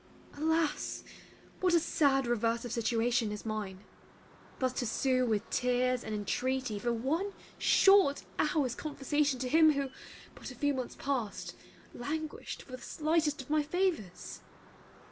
Alas, what a sad reverse of situation is mine! thus to sue with tears and intreaty for one short hour's conversation to him who, but a few months past, languished for the slightest of my favours!